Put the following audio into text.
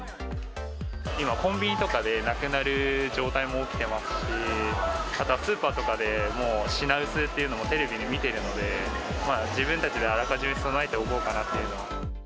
今、コンビニとかでなくなる状態も起きてますし、あとはスーパーとかでも品薄っていうのもテレビで見ているので、自分たちであらかじめ備えておこうかなっていうのは。